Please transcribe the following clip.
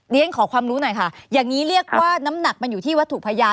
เรียนขอความรู้หน่อยค่ะอย่างนี้เรียกว่าน้ำหนักมันอยู่ที่วัตถุพยาน